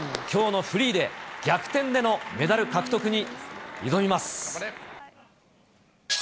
きょうのフリーで逆転でのメダル獲得に挑みます。